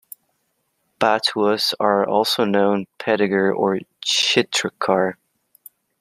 Patuas are also known Patigar or Chitrakar.